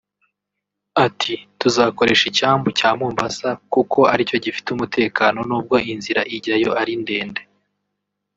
Ati “ Tuzakoresha icyambu cya Mombasa kuko aricyo gifite umutekano n’ubwo inzira ijyayo ari ndende